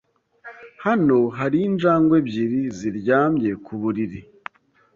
Hano hari injangwe ebyiri ziryamye ku buriri.